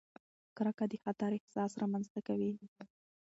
کرکه د خطر احساس رامنځته کوي.